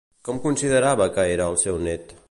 Com considerava que era el seu net?